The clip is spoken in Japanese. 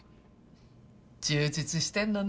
充実してんのね。